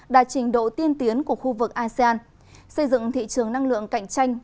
đạt trình độ tiên tiến của khu vực asean xây dựng thị trường năng lượng cạnh tranh